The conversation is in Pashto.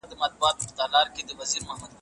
پر يو بل باندي د زوجينو حقوق څه دي؟